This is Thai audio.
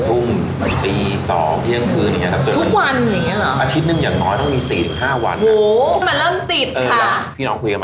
แต่เขาก็คือยืนยันว่าเขาเลิกไม่ได้อะไรอย่างเงี้ยคุณแม่คิดอะไรตอนนั้นน่ะ